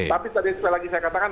tapi tadi sekali lagi saya katakan